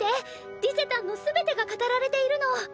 リゼたんの全てが語られているの。